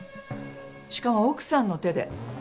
しかも奥さんの手で。